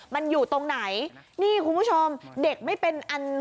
มันอยู่ตรงไหนนี่คุณผู้ชมเด็กไม่เป็นอัน